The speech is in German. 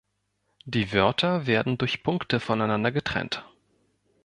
Die Wörter werden durch Punkte voneinander getrennt.